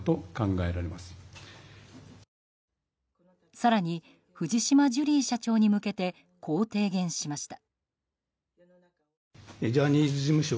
更に藤島ジュリー社長に向けてこう提言しました。